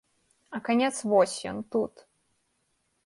А канец вось ён, тут.